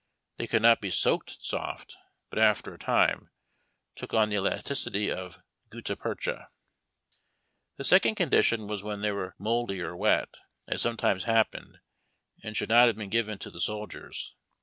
They could not be soaked soft, but after a time took on the elasticity of gutta percha. The second condition was when they were mouldy or wet, as sometimes happened, and should not have been given to the soldiers.